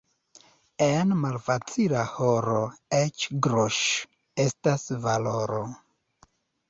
En malfacila horo eĉ groŝ' estas valoro.